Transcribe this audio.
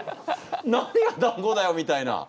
何がだんごだよみたいな！